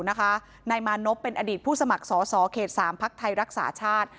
หน้ามานบเป็นอดีตผู้สมัครซสเขต๓พทัยรักษาชาตร